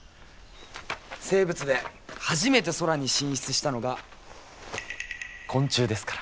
生物で初めて空に進出したのが昆虫ですから。